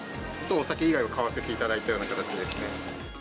お酒以外は買わせていただいたような形ですね。